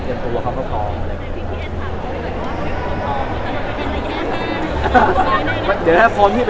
หรือแปลว่าเรากำลังทำเรื่องตัวเขาไหม